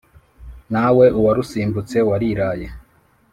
nawe uwarusimbutse wariraye